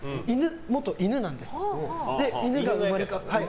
元犬なんです。